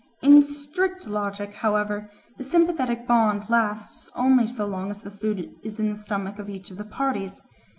In strict logic, however, the sympathetic bond lasts only so long as the food is in the stomach of each of the parties.